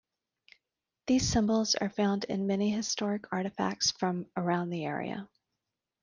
These symbols are found in many historic artifacts from around the area.